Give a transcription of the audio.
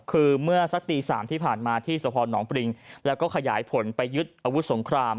คือเมื่อสักตี๓ที่ผ่านมาที่สพนปริงแล้วก็ขยายผลไปยึดอาวุธสงคราม